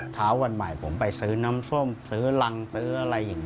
เช้าวันใหม่ผมไปซื้อน้ำส้มซื้อรังซื้ออะไรอย่างนี้